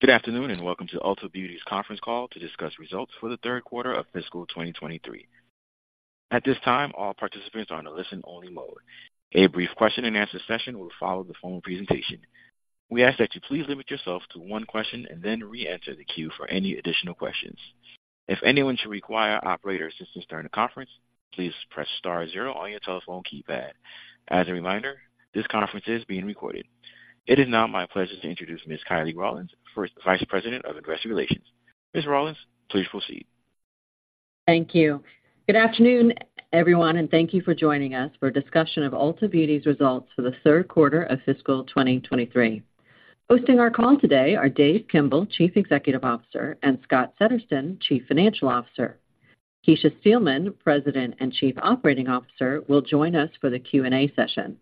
Good afternoon, and welcome to Ulta Beauty's conference call to discuss results for the third quarter of fiscal 2023. At this time, all participants are on a listen-only mode. A brief question-and-answer session will follow the formal presentation. We ask that you please limit yourself to one question and then reenter the queue for any additional questions. If anyone should require operator assistance during the conference, please press star zero on your telephone keypad. As a reminder, this conference is being recorded. It is now my pleasure to introduce Ms. Kiley Rawlins, First Vice President of Investor Relations. Ms. Rawlins, please proceed. Thank you. Good afternoon, everyone, and thank you for joining us for a discussion of Ulta Beauty's results for the third quarter of fiscal 2023. Hosting our call today are Dave Kimbell, Chief Executive Officer, and Scott Settersten, Chief Financial Officer. Kecia Steelman, President and Chief Operating Officer, will join us for the Q&A session.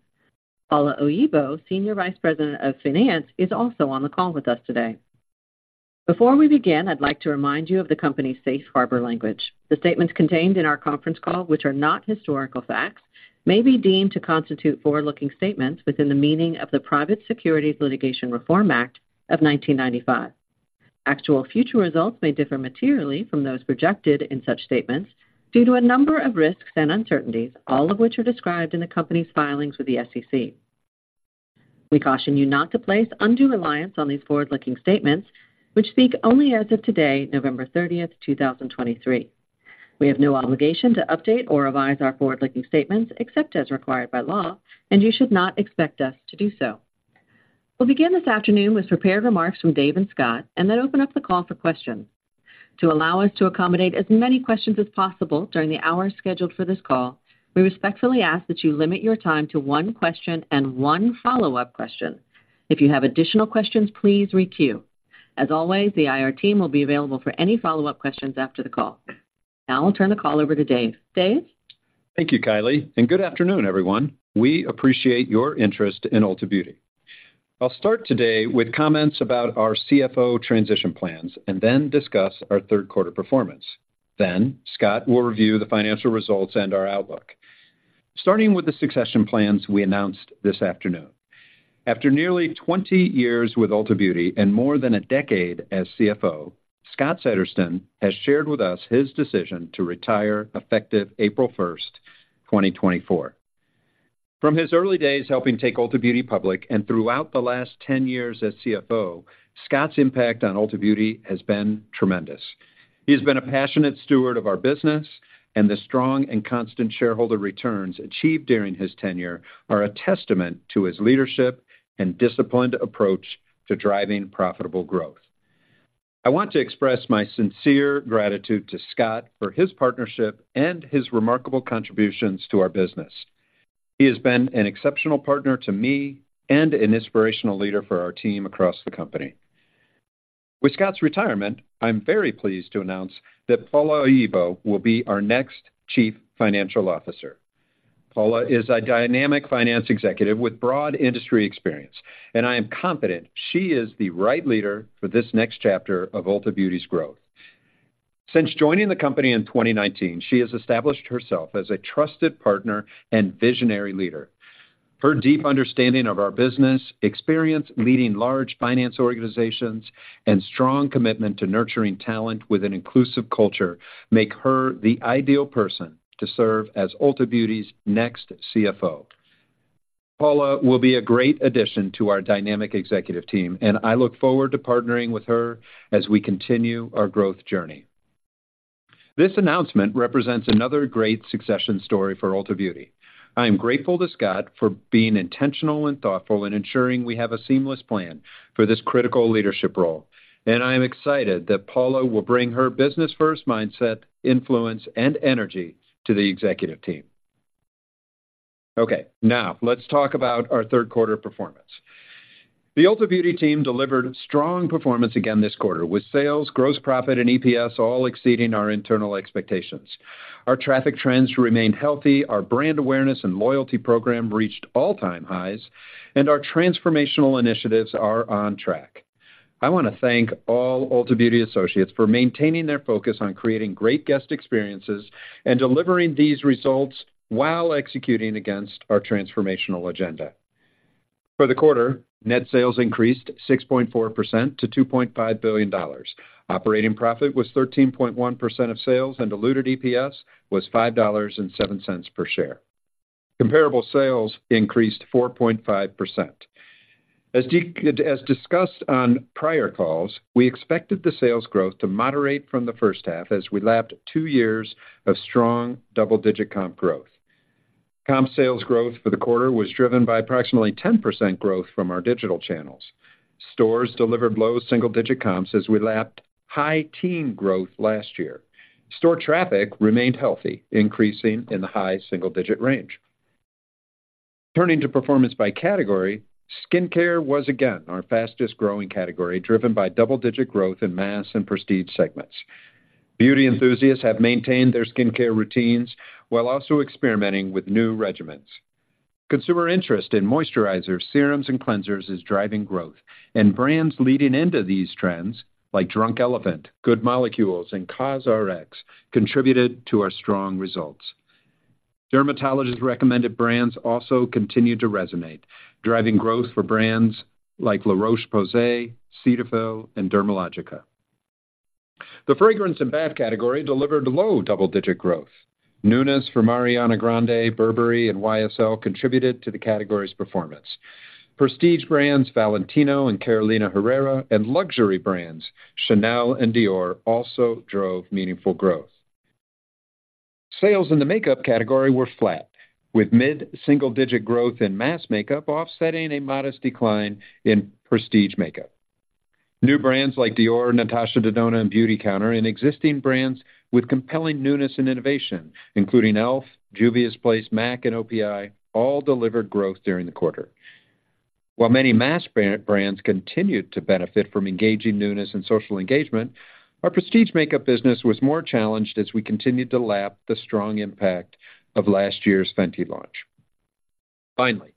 Paula Oyibo, Senior Vice President of Finance, is also on the call with us today. Before we begin, I'd like to remind you of the company's Safe Harbor language. The statements contained in our conference call, which are not historical facts, may be deemed to constitute forward-looking statements within the meaning of the Private Securities Litigation Reform Act of 1995. Actual future results may differ materially from those projected in such statements due to a number of risks and uncertainties, all of which are described in the company's filings with the SEC. We caution you not to place undue reliance on these forward-looking statements, which speak only as of today, November 30th, 2023. We have no obligation to update or revise our forward-looking statements, except as required by law, and you should not expect us to do so. We'll begin this afternoon with prepared remarks from Dave and Scott, and then open up the call for questions. To allow us to accommodate as many questions as possible during the hour scheduled for this call, we respectfully ask that you limit your time to one question and one follow-up question. If you have additional questions, please re-queue. As always, the IR team will be available for any follow-up questions after the call. Now I'll turn the call over to Dave. Dave? Thank you, Kiley, and good afternoon, everyone. We appreciate your interest in Ulta Beauty. I'll start today with comments about our CFO transition plans and then discuss our third quarter performance. Then Scott will review the financial results and our outlook. Starting with the succession plans we announced this afternoon. After nearly 20 years with Ulta Beauty and more than a decade as CFO, Scott Settersten has shared with us his decision to retire effective April 1st, 2024. From his early days helping take Ulta Beauty public and throughout the last 10 years as CFO, Scott's impact on Ulta Beauty has been tremendous. He has been a passionate steward of our business, and the strong and constant shareholder returns achieved during his tenure are a testament to his leadership and disciplined approach to driving profitable growth. I want to express my sincere gratitude to Scott for his partnership and his remarkable contributions to our business. He has been an exceptional partner to me and an inspirational leader for our team across the company. With Scott's retirement, I'm very pleased to announce that Paula Oyibo will be our next Chief Financial Officer. Paula is a dynamic finance executive with broad industry experience, and I am confident she is the right leader for this next chapter of Ulta Beauty's growth. Since joining the company in 2019, she has established herself as a trusted partner and visionary leader. Her deep understanding of our business, experience leading large finance organizations, and strong commitment to nurturing talent with an inclusive culture make her the ideal person to serve as Ulta Beauty's next CFO. Paula will be a great addition to our dynamic executive team, and I look forward to partnering with her as we continue our growth journey. This announcement represents another great succession story for Ulta Beauty. I am grateful to Scott for being intentional and thoughtful in ensuring we have a seamless plan for this critical leadership role, and I am excited that Paula will bring her business-first mindset, influence, and energy to the executive team. Okay, now let's talk about our third quarter performance. The Ulta Beauty team delivered strong performance again this quarter, with sales, gross profit, and EPS all exceeding our internal expectations. Our traffic trends remain healthy, our brand awareness and loyalty program reached all-time highs, and our transformational initiatives are on track. I want to thank all Ulta Beauty associates for maintaining their focus on creating great guest experiences and delivering these results while executing against our transformational agenda. For the quarter, net sales increased 6.4% to $2.5 billion. Operating profit was 13.1% of sales, and diluted EPS was $5.07 per share. Comparable sales increased 4.5%. As discussed on prior calls, we expected the sales growth to moderate from the first half as we lapped two years of strong double-digit comp growth. Comp sales growth for the quarter was driven by approximately 10% growth from our digital channels. Stores delivered low single-digit comps as we lapped high teen growth last year. Store traffic remained healthy, increasing in the high single-digit range. Turning to performance by category, skincare was again our fastest-growing category, driven by double-digit growth in mass and prestige segments. Beauty enthusiasts have maintained their skincare routines while also experimenting with new regimens. Consumer interest in moisturizers, serums, and cleansers is driving growth, and brands leading into these trends, like Drunk Elephant, Good Molecules, and COSRX, contributed to our strong results. Dermatologist-recommended brands also continued to resonate, driving growth for brands like La Roche-Posay, Cetaphil, and Dermalogica. The fragrance and bath category delivered low double-digit growth. Newness from Ariana Grande, Burberry, and YSL contributed to the category's performance. Prestige brands Valentino and Carolina Herrera, and luxury brands Chanel and Dior also drove meaningful growth. Sales in the makeup category were flat, with mid-single-digit growth in mass makeup, offsetting a modest decline in prestige makeup. New brands like Dior, Natasha Denona, and Beautycounter, and existing brands with compelling newness and innovation, including e.l.f., Juvia's Place, MAC, and OPI, all delivered growth during the quarter. While many mass brands continued to benefit from engaging newness and social engagement, our prestige makeup business was more challenged as we continued to lap the strong impact of last year's Fenty launch. Finally,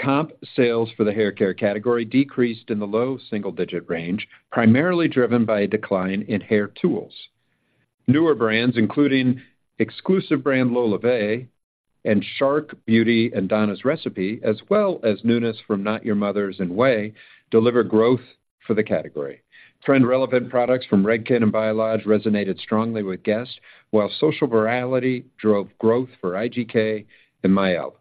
comp sales for the haircare category decreased in the low single-digit range, primarily driven by a decline in hair tools. Newer brands, including exclusive brand LolaVie and Shark Beauty and Donna's Recipe, as well as newness from Not Your Mother's and OUAI, delivered growth for the category. Trend-relevant products from Redken and Biolage resonated strongly with guests, while social virality drove growth for IGK and Mielle.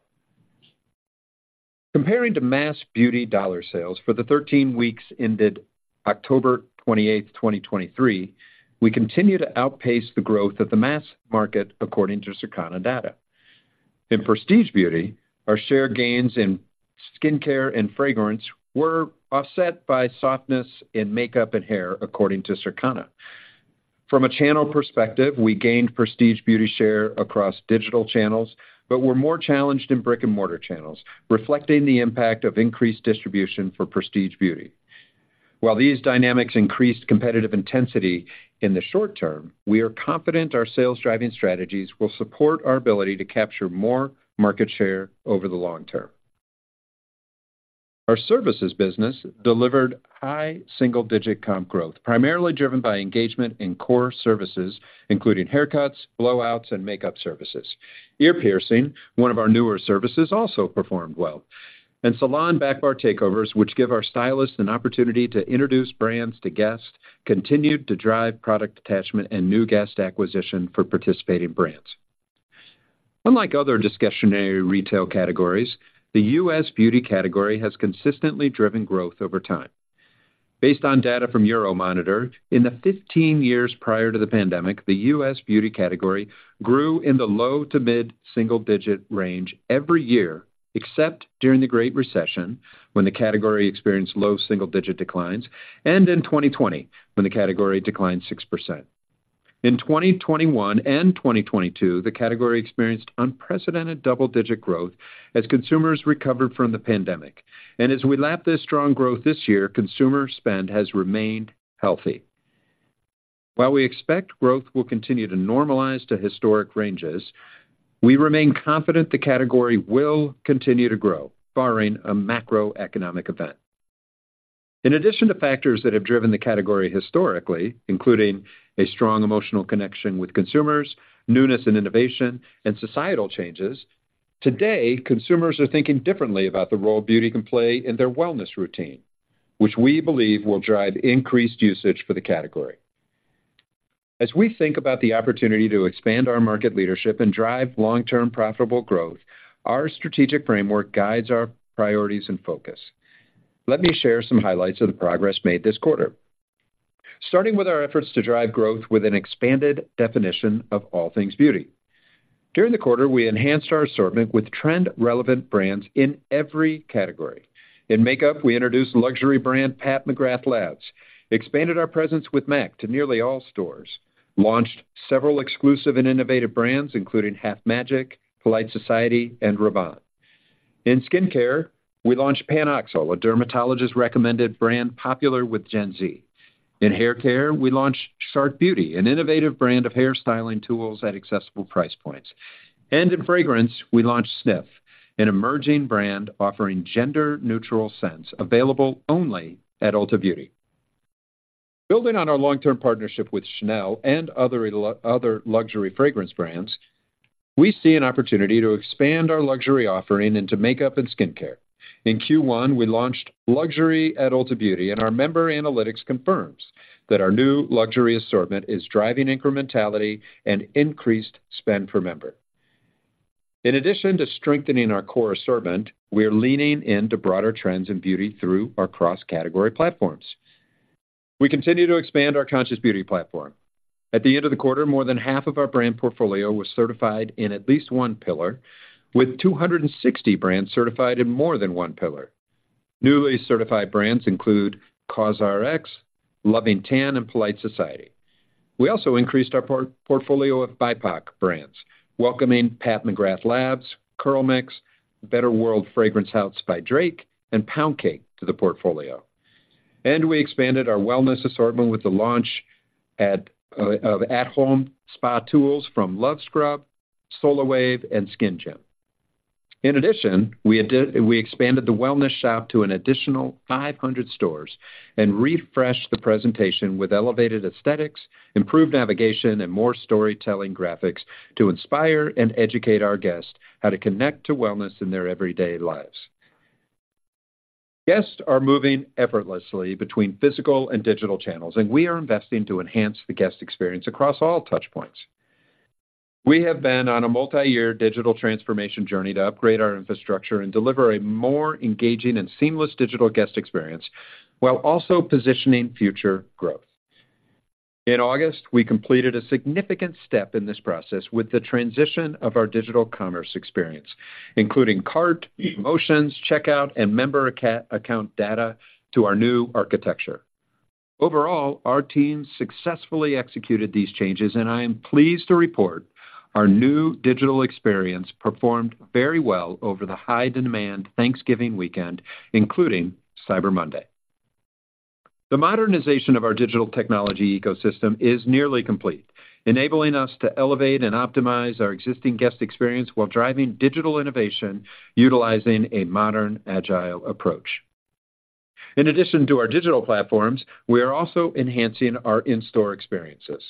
Comparing to mass beauty dollar sales for the 13 weeks ended October 28th, 2023, we continue to outpace the growth of the mass market, according to Circana data. In prestige beauty, our share gains in skincare and fragrance were offset by softness in makeup and hair, according to Circana. From a channel perspective, we gained prestige beauty share across digital channels but were more challenged in brick-and-mortar channels, reflecting the impact of increased distribution for prestige beauty. While these dynamics increased competitive intensity in the short term, we are confident our sales-driving strategies will support our ability to capture more market share over the long term. Our services business delivered high single-digit comp growth, primarily driven by engagement in core services, including haircuts, blowouts, and makeup services. Ear piercing, one of our newer services, also performed well, and salon backbar takeovers, which give our stylists an opportunity to introduce brands to guests, continued to drive product attachment and new guest acquisition for participating brands. Unlike other discretionary retail categories, the U.S. beauty category has consistently driven growth over time. Based on data from Euromonitor, in the 15 years prior to the pandemic, the U.S. beauty category grew in the low- to mid-single-digit range every year, except during the Great Recession, when the category experienced low single-digit declines, and in 2020, when the category declined 6%. In 2021 and 2022, the category experienced unprecedented double-digit growth as consumers recovered from the pandemic. As we lap this strong growth this year, consumer spend has remained healthy. While we expect growth will continue to normalize to historic ranges, we remain confident the category will continue to grow, barring a macroeconomic event. In addition to factors that have driven the category historically, including a strong emotional connection with consumers, newness and innovation, and societal changes, today, consumers are thinking differently about the role beauty can play in their wellness routine, which we believe will drive increased usage for the category. As we think about the opportunity to expand our market leadership and drive long-term profitable growth, our strategic framework guides our priorities and focus. Let me share some highlights of the progress made this quarter. Starting with our efforts to drive growth with an expanded definition of all things beauty. During the quarter, we enhanced our assortment with trend-relevant brands in every category. In makeup, we introduced luxury brand Pat McGrath Labs, expanded our presence with MAC to nearly all stores, launched several exclusive and innovative brands, including Half Magic, Polite Society, and Rabanne. In skincare, we launched PanOxyl, a dermatologist-recommended brand popular with Gen Z. In haircare, we launched Shark Beauty, an innovative brand of hair styling tools at accessible price points. And in fragrance, we launched Snif, an emerging brand offering gender-neutral scents available only at Ulta Beauty. Building on our long-term partnership with Chanel and other other luxury fragrance brands, we see an opportunity to expand our luxury offering into makeup and skincare. In Q1, we launched Luxury at Ulta Beauty, and our member analytics confirms that our new luxury assortment is driving incrementality and increased spend per member. In addition to strengthening our core assortment, we are leaning into broader trends in beauty through our cross-category platforms. We continue to expand our Conscious Beauty platform. At the end of the quarter, more than half of our brand portfolio was certified in at least one pillar, with 260 brands certified in more than one pillar. Newly certified brands include COSRX, Loving Tan, and Polite Society. We also increased our portfolio of BIPOC brands, welcoming Pat McGrath Labs, CurlMix, Better World Fragrance House by Drake, and Pound Cake to the portfolio. We expanded our wellness assortment with the launch of at-home spa tools from Luv Scrub, Solawave, and Skin Gym. In addition, we expanded the wellness shop to an additional 500 stores and refreshed the presentation with elevated aesthetics, improved navigation, and more storytelling graphics to inspire and educate our guests how to connect to wellness in their everyday lives. Guests are moving effortlessly between physical and digital channels, and we are investing to enhance the guest experience across all touch points. We have been on a multi-year digital transformation journey to upgrade our infrastructure and deliver a more engaging and seamless digital guest experience, while also positioning future growth. In August, we completed a significant step in this process with the transition of our digital commerce experience, including cart, promotions, checkout, and member account data to our new architecture. Overall, our team successfully executed these changes, and I am pleased to report our new digital experience performed very well over the high-demand Thanksgiving weekend, including Cyber Monday. The modernization of our digital technology ecosystem is nearly complete, enabling us to elevate and optimize our existing guest experience while driving digital innovation, utilizing a modern, agile approach. In addition to our digital platforms, we are also enhancing our in-store experiences.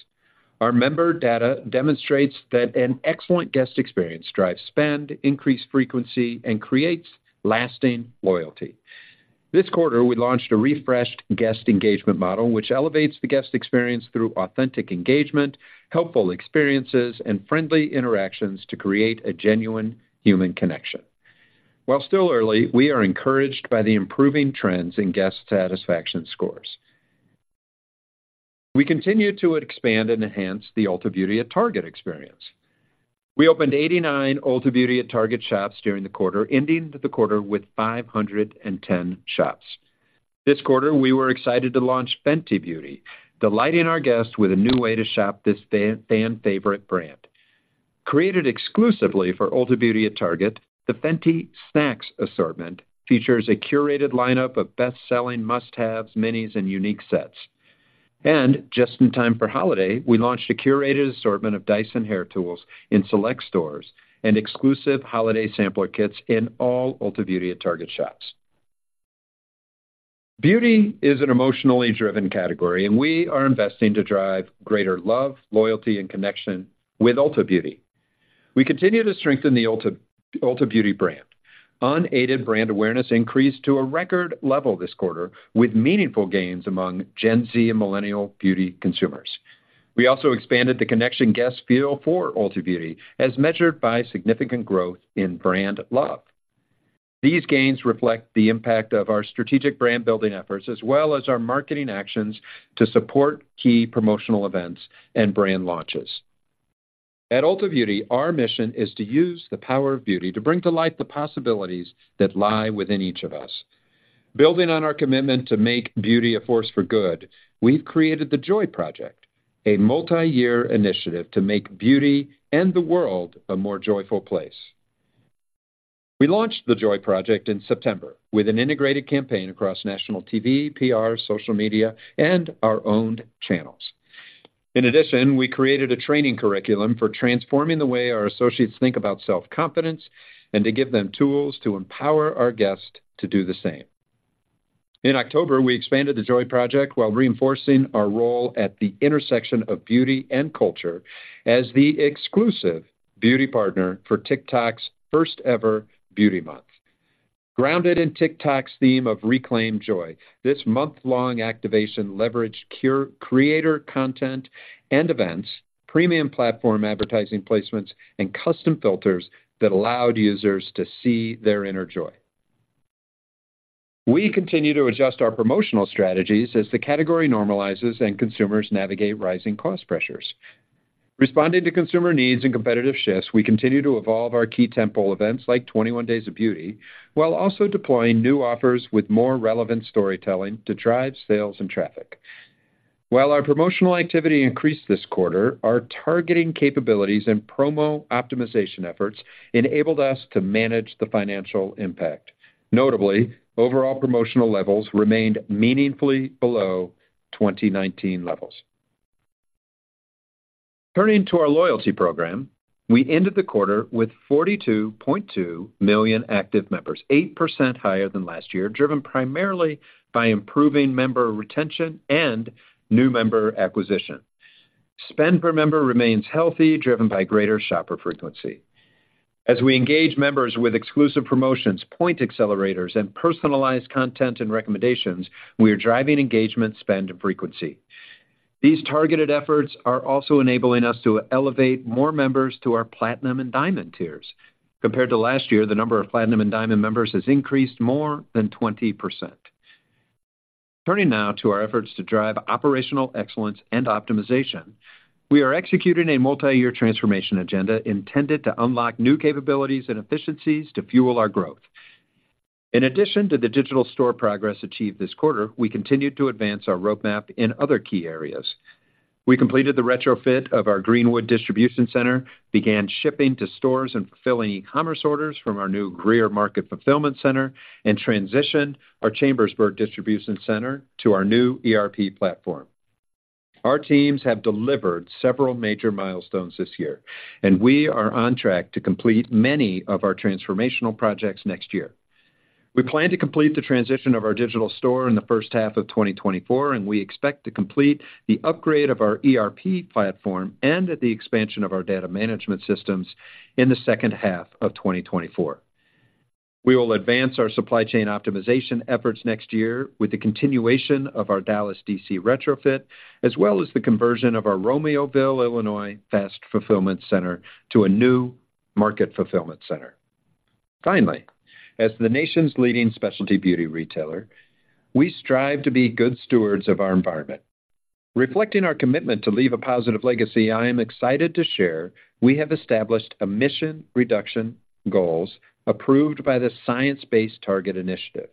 Our member data demonstrates that an excellent guest experience drives spend, increased frequency, and creates lasting loyalty. This quarter, we launched a refreshed guest engagement model, which elevates the guest experience through authentic engagement, helpful experiences, and friendly interactions to create a genuine human connection. While still early, we are encouraged by the improving trends in guest satisfaction scores. We continue to expand and enhance the Ulta Beauty at Target experience. We opened 89 Ulta Beauty at Target shops during the quarter, ending the quarter with 510 shops. This quarter, we were excited to launch Fenty Beauty, delighting our guests with a new way to shop this fan, fan favorite brand. Created exclusively for Ulta Beauty at Target, the Fenty Snacks assortment features a curated lineup of best-selling must-haves, minis, and unique sets. Just in time for holiday, we launched a curated assortment of Dyson hair tools in select stores and exclusive holiday sampler kits in all Ulta Beauty at Target shops. Beauty is an emotionally driven category, and we are investing to drive greater love, loyalty, and connection with Ulta Beauty. We continue to strengthen the Ulta, Ulta Beauty brand. Unaided brand awareness increased to a record level this quarter, with meaningful gains among Gen Z and millennial beauty consumers. We also expanded the connection guests feel for Ulta Beauty, as measured by significant growth in brand love. These gains reflect the impact of our strategic brand-building efforts, as well as our marketing actions to support key promotional events and brand launches. At Ulta Beauty, our mission is to use the power of beauty to bring to light the possibilities that lie within each of us. Building on our commitment to make beauty a force for good, we've created The Joy Project, a multi-year initiative to make beauty and the world a more joyful place. We launched The Joy Project in September with an integrated campaign across national TV, PR, social media, and our own channels. In addition, we created a training curriculum for transforming the way our associates think about self-confidence and to give them tools to empower our guests to do the same. In October, we expanded The Joy Project while reinforcing our role at the intersection of beauty and culture as the exclusive beauty partner for TikTok's first-ever Beauty Month. Grounded in TikTok's theme of Reclaim Joy, this month-long activation leveraged curated creator content and events, premium platform advertising placements, and custom filters that allowed users to see their inner joy. We continue to adjust our promotional strategies as the category normalizes and consumers navigate rising cost pressures. Responding to consumer needs and competitive shifts, we continue to evolve our key tentpole events, like 21 Days of Beauty, while also deploying new offers with more relevant storytelling to drive sales and traffic. While our promotional activity increased this quarter, our targeting capabilities and promo optimization efforts enabled us to manage the financial impact. Notably, overall promotional levels remained meaningfully below 2019 levels. Turning to our loyalty program, we ended the quarter with 42.2 million active members, 8% higher than last year, driven primarily by improving member retention and new member acquisition. Spend per member remains healthy, driven by greater shopper frequency. As we engage members with exclusive promotions, point accelerators, and personalized content and recommendations, we are driving engagement, spend, and frequency. These targeted efforts are also enabling us to elevate more members to our Platinum and Diamond tiers. Compared to last year, the number of Platinum and Diamond members has increased more than 20%. Turning now to our efforts to drive operational excellence and optimization, we are executing a multi-year transformation agenda intended to unlock new capabilities and efficiencies to fuel our growth. In addition to the Digital Store progress achieved this quarter, we continued to advance our roadmap in other key areas. We completed the retrofit of our Greenwood distribution center, began shipping to stores and fulfilling commerce orders from our new Greer Market Fulfillment Center, and transitioned our Chambersburg distribution center to our new ERP platform. Our teams have delivered several major milestones this year, and we are on track to complete many of our transformational projects next year. We plan to complete the transition of our digital store in the first half of 2024, and we expect to complete the upgrade of our ERP platform and the expansion of our data management systems in the second half of 2024. We will advance our supply chain optimization efforts next year with the continuation of our Dallas DC retrofit, as well as the conversion of our Romeoville, Illinois, fast fulfillment center to a new market fulfillment center. Finally, as the nation's leading specialty beauty retailer, we strive to be good stewards of our environment. Reflecting our commitment to leave a positive legacy, I am excited to share, we have established emission reduction goals approved by the Science Based Targets initiative.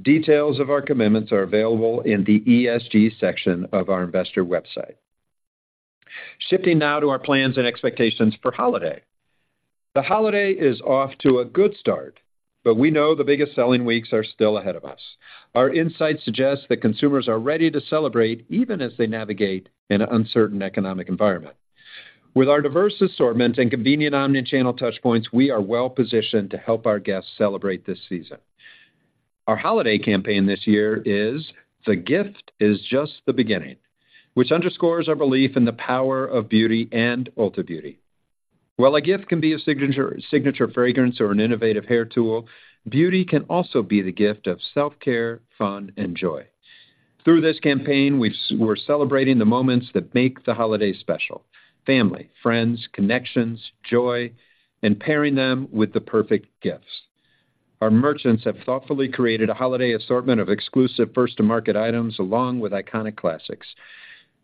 Details of our commitments are available in the ESG section of our investor website. Shifting now to our plans and expectations for holiday. The holiday is off to a good start, but we know the biggest selling weeks are still ahead of us. Our insights suggest that consumers are ready to celebrate, even as they navigate an uncertain economic environment. With our diverse assortment and convenient omnichannel touch points, we are well positioned to help our guests celebrate this season. Our holiday campaign this year is: The Gift Is Just the Beginning, which underscores our belief in the power of beauty and Ulta Beauty. While a gift can be a signature fragrance or an innovative hair tool, beauty can also be the gift of self-care, fun, and joy. Through this campaign, we're celebrating the moments that make the holiday special: family, friends, connections, joy, and pairing them with the perfect gifts. Our merchants have thoughtfully created a holiday assortment of exclusive first-to-market items, along with iconic classics.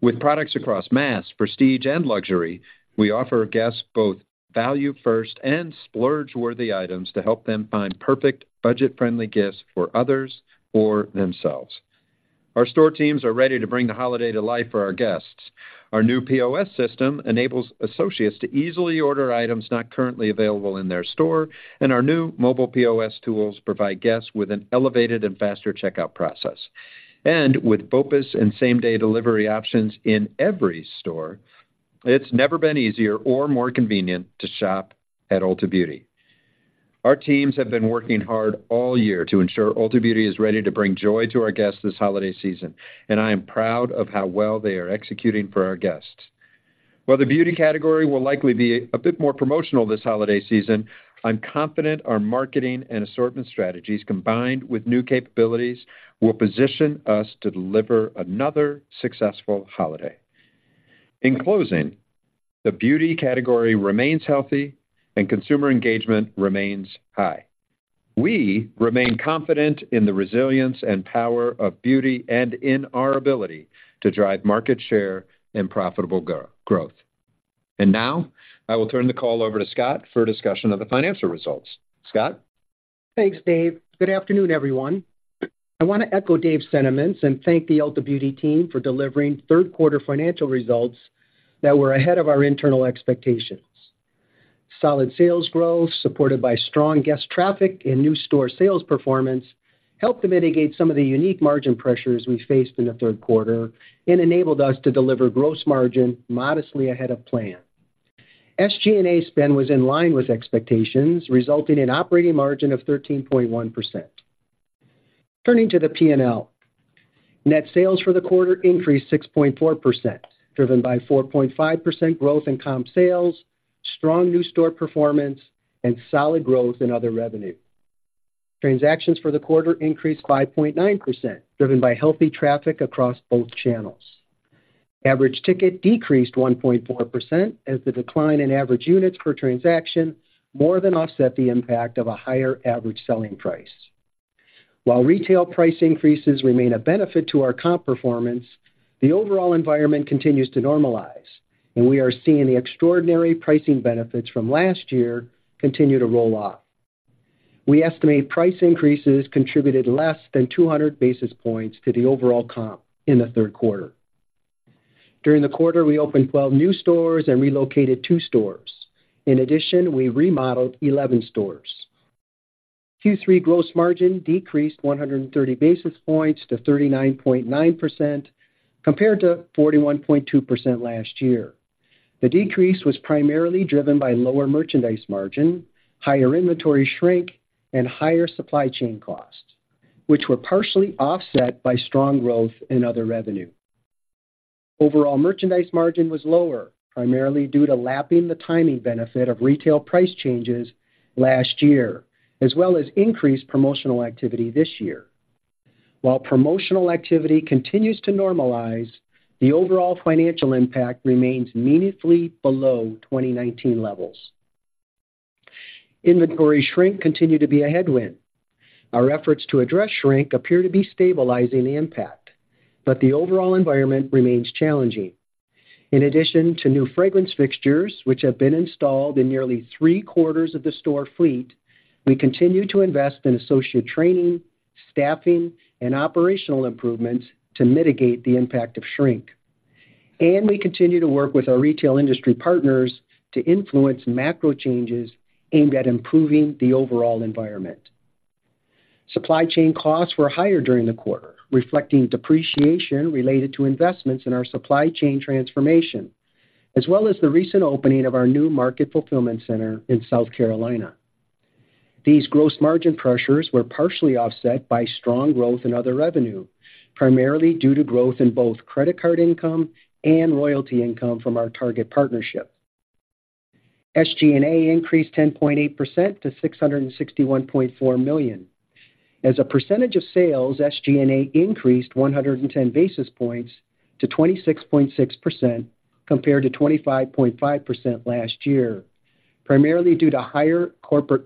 With products across mass, prestige, and luxury, we offer guests both value-first and splurge-worthy items to help them find perfect, budget-friendly gifts for others or themselves. Our store teams are ready to bring the holiday to life for our guests. Our new POS system enables associates to easily order items not currently available in their store, and our new mobile POS tools provide guests with an elevated and faster checkout process. And with BOPUS and same-day delivery options in every store, it's never been easier or more convenient to shop at Ulta Beauty. Our teams have been working hard all year to ensure Ulta Beauty is ready to bring joy to our guests this holiday season, and I am proud of how well they are executing for our guests. While the beauty category will likely be a bit more promotional this holiday season, I'm confident our marketing and assortment strategies, combined with new capabilities, will position us to deliver another successful holiday. In closing, the beauty category remains healthy and consumer engagement remains high. We remain confident in the resilience and power of beauty and in our ability to drive market share and profitable growth. Now, I will turn the call over to Scott for a discussion of the financial results. Scott? Thanks, Dave. Good afternoon, everyone. I want to echo Dave's sentiments and thank the Ulta Beauty team for delivering third quarter financial results that were ahead of our internal expectations. Solid sales growth, supported by strong guest traffic and new store sales performance, helped to mitigate some of the unique margin pressures we faced in the third quarter and enabled us to deliver gross margin modestly ahead of plan. SG&A spend was in line with expectations, resulting in operating margin of 13.1%. Turning to the P&L. Net sales for the quarter increased 6.4%, driven by 4.5% growth in comp sales, strong new store performance, and solid growth in other revenue. Transactions for the quarter increased 5.9%, driven by healthy traffic across both channels. Average ticket decreased 1.4%, as the decline in average units per transaction more than offset the impact of a higher average selling price. While retail price increases remain a benefit to our comp performance, the overall environment continues to normalize, and we are seeing the extraordinary pricing benefits from last year continue to roll off. We estimate price increases contributed less than 200 basis points to the overall comp in the third quarter. During the quarter, we opened 12 new stores and relocated 2 stores. In addition, we remodeled 11 stores. Q3 gross margin decreased 130 basis points to 39.9%, compared to 41.2% last year. The decrease was primarily driven by lower merchandise margin, higher inventory shrink, and higher supply chain costs, which were partially offset by strong growth in other revenue. Overall, merchandise margin was lower, primarily due to lapping the timing benefit of retail price changes last year, as well as increased promotional activity this year. While promotional activity continues to normalize, the overall financial impact remains meaningfully below 2019 levels. Inventory shrink continued to be a headwind. Our efforts to address shrink appear to be stabilizing the impact, but the overall environment remains challenging. In addition to new fragrance fixtures, which have been installed in nearly three-quarters of the store fleet, we continue to invest in associate training, staffing, and operational improvements to mitigate the impact of shrink. We continue to work with our retail industry partners to influence macro changes aimed at improving the overall environment. Supply chain costs were higher during the quarter, reflecting depreciation related to investments in our supply chain transformation, as well as the recent opening of our new market fulfillment center in South Carolina. These gross margin pressures were partially offset by strong growth in other revenue, primarily due to growth in both credit card income and royalty income from our target partnership. SG&A increased 10.8% to $661.4 million. As a percentage of sales, SG&A increased 110 basis points to 26.6%, compared to 25.5% last year, primarily due to higher corporate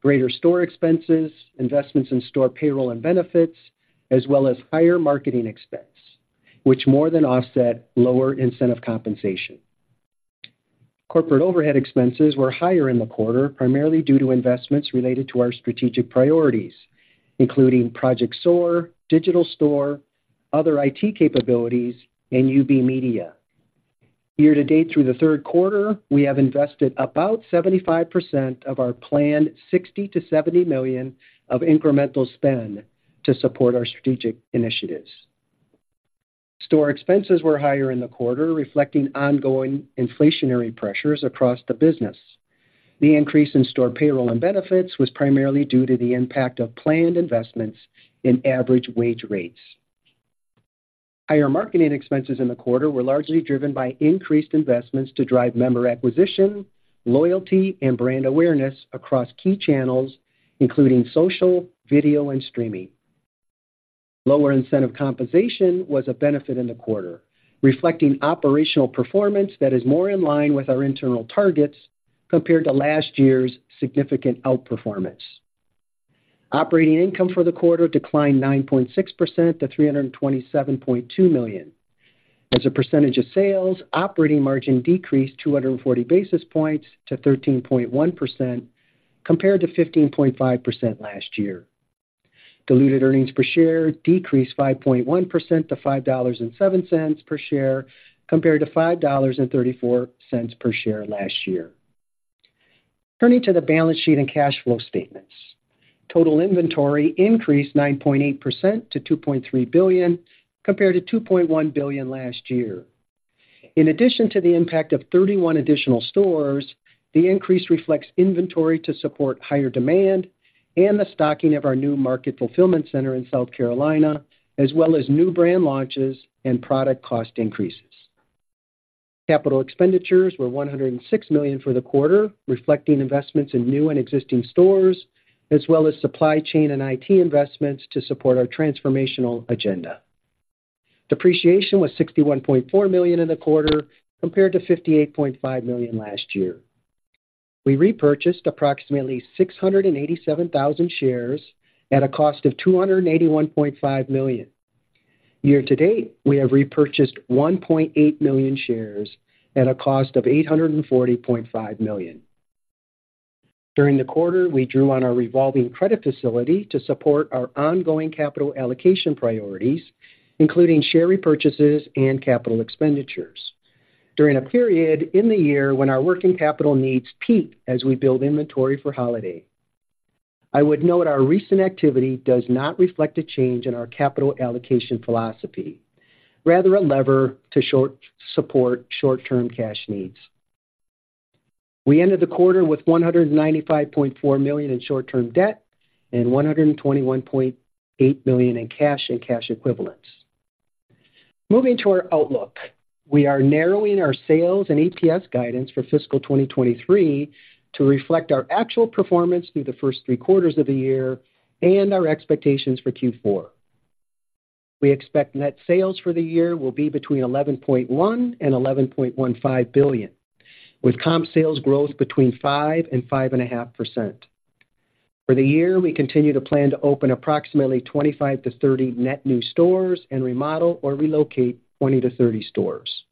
overhead, greater store expenses, investments in store payroll and benefits, as well as higher marketing expense, which more than offset lower incentive compensation. Corporate overhead expenses were higher in the quarter, primarily due to investments related to our strategic priorities, including Project SOAR, Digital Store, other IT capabilities, and UB Media. Year to date through the third quarter, we have invested about 75% of our planned $60 million-$70 million of incremental spend to support our strategic initiatives. Store expenses were higher in the quarter, reflecting ongoing inflationary pressures across the business. The increase in store payroll and benefits was primarily due to the impact of planned investments in average wage rates. Higher marketing expenses in the quarter were largely driven by increased investments to drive member acquisition, loyalty, and brand awareness across key channels, including social, video, and streaming. Lower incentive compensation was a benefit in the quarter, reflecting operational performance that is more in line with our internal targets compared to last year's significant outperformance. Operating income for the quarter declined 9.6% to $327.2 million. As a percentage of sales, operating margin decreased 240 basis points to 13.1%, compared to 15.5% last year. Diluted earnings per share decreased 5.1% to $5.07 per share, compared to $5.34 per share last year. Turning to the balance sheet and cash flow statements. Total inventory increased 9.8% to $2.3 billion, compared to $2.1 billion last year. In addition to the impact of 31 additional stores, the increase reflects inventory to support higher demand and the stocking of our new Market Fulfillment Center in South Carolina, as well as new brand launches and product cost increases. Capital expenditures were $106 million for the quarter, reflecting investments in new and existing stores, as well as supply chain and IT investments to support our transformational agenda. Depreciation was $61.4 million in the quarter, compared to $58.5 million last year. We repurchased approximately 687,000 shares at a cost of $281.5 million. Year to date, we have repurchased 1.8 million shares at a cost of $840.5 million. During the quarter, we drew on our revolving credit facility to support our ongoing capital allocation priorities, including share repurchases and capital expenditures. During a period in the year when our working capital needs peak as we build inventory for holiday, I would note our recent activity does not reflect a change in our capital allocation philosophy, rather a lever to support short-term cash needs. We ended the quarter with $195.4 million in short-term debt and $121.8 million in cash and cash equivalents. Moving to our outlook, we are narrowing our sales and EPS guidance for fiscal 2023 to reflect our actual performance through the first three quarters of the year and our expectations for Q4. We expect net sales for the year will be between $11.1 billion and $11.15 billion, with comp sales growth between 5% and 5.5%. For the year, we continue to plan to open approximately 25-30 net new stores and remodel or relocate 20-30 stores.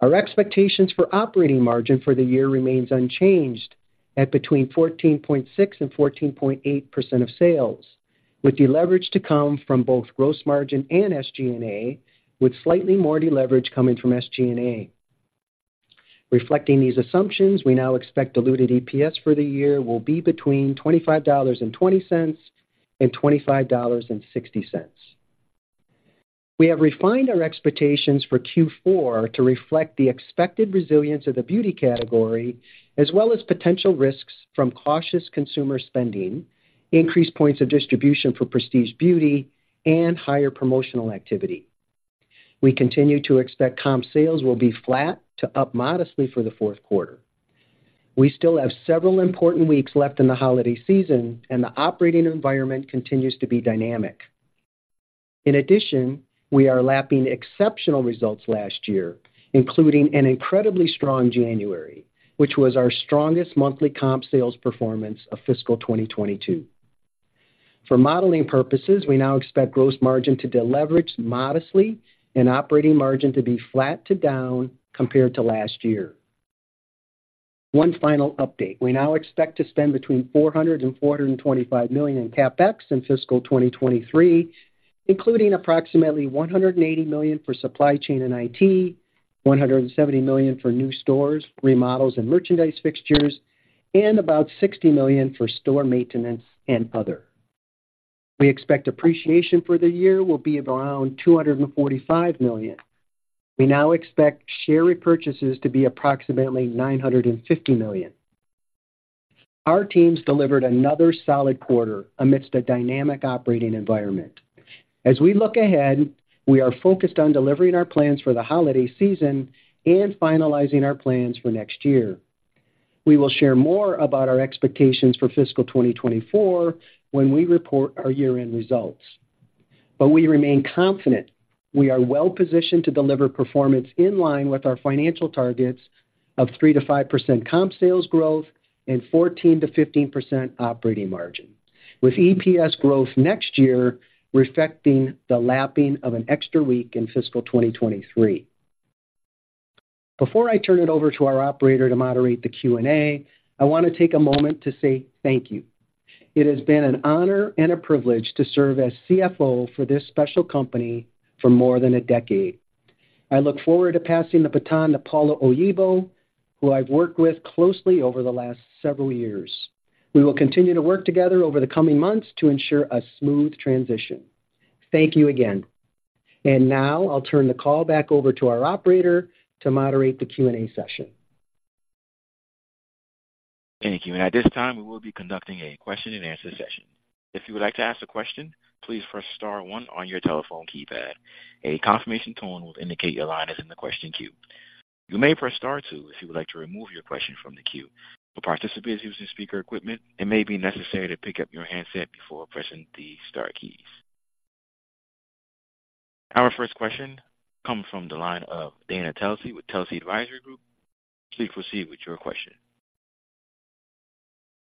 Our expectations for operating margin for the year remains unchanged at between 14.6% and 14.8% of sales, with deleverage to come from both gross margin and SG&A, with slightly more deleverage coming from SG&A. Reflecting these assumptions, we now expect diluted EPS for the year will be between $25.20 and $25.60. We have refined our expectations for Q4 to reflect the expected resilience of the beauty category, as well as potential risks from cautious consumer spending, increased points of distribution for prestige beauty, and higher promotional activity. We continue to expect comp sales will be flat to up modestly for the fourth quarter. We still have several important weeks left in the holiday season, and the operating environment continues to be dynamic. In addition, we are lapping exceptional results last year, including an incredibly strong January, which was our strongest monthly comp sales performance of fiscal 2022. For modeling purposes, we now expect gross margin to deleverage modestly and operating margin to be flat to down compared to last year. One final update. We now expect to spend between $400 million and $425 million in CapEx in fiscal 2023, including approximately $180 million for supply chain and IT, $170 million for new stores, remodels, and merchandise fixtures, and about $60 million for store maintenance and other. We expect appreciation for the year will be around $245 million. We now expect share repurchases to be approximately $950 million. Our teams delivered another solid quarter amidst a dynamic operating environment. As we look ahead, we are focused on delivering our plans for the holiday season and finalizing our plans for next year. We will share more about our expectations for fiscal 2024 when we report our year-end results. But we remain confident we are well-positioned to deliver performance in line with our financial targets of 3%-5% comp sales growth and 14%-15% operating margin, with EPS growth next year, reflecting the lapping of an extra week in fiscal 2023. Before I turn it over to our operator to moderate the Q&A, I want to take a moment to say thank you. It has been an honor and a privilege to serve as CFO for this special company for more than a decade. I look forward to passing the baton to Paula Oyibo, who I've worked with closely over the last several years. We will continue to work together over the coming months to ensure a smooth transition. Thank you again. Now I'll turn the call back over to our operator to moderate the Q&A session. Thank you. At this time, we will be conducting a question-and-answer session. If you would like to ask a question, please press star one on your telephone keypad. A confirmation tone will indicate your line is in the question queue. You may press star two if you would like to remove your question from the queue. For participants using speaker equipment, it may be necessary to pick up your handset before pressing the star keys. Our first question comes from the line of Dana Telsey with Telsey Advisory Group. Please proceed with your question.